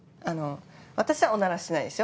私はおならしてないですよ